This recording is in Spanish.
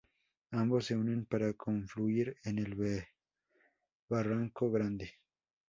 Ambos se unen para confluir en el Barranco Grande.